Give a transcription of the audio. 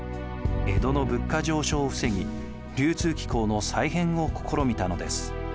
江戸の物価上昇を防ぎ流通機構の再編を試みたのです。